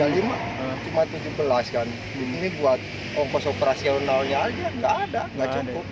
tiga puluh lah tiga puluh lima cuma tujuh belas kan ini buat ongkos operasionalnya aja nggak ada nggak cukup